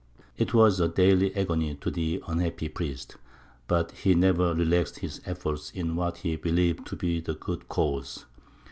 It was a daily agony to the unhappy priest, but he never relaxed his efforts in what he believed to be the good cause.